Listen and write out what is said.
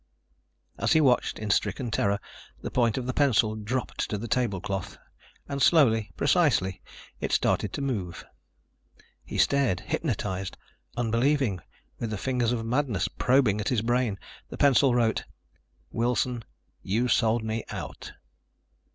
As he watched, in stricken terror, the point of the pencil dropped to the tablecloth and slowly, precisely, it started to move. He stared, hypnotized, unbelieving, with the fingers of madness probing at his brain. The pencil wrote: Wilson, you sold me out.